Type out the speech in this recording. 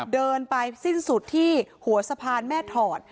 เดินไปสิ้นสุดที่หัวสะพานแม่ถอด